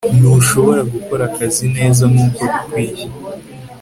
ntushobora gukora akazi neza nkuko bikwiye